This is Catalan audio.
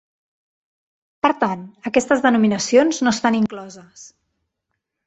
Per tant, aquestes denominacions no estan incloses.